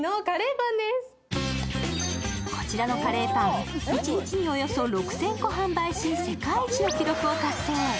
こちらのカレーパン、一日におよそ６０００個を販売し世界一の記録を達成。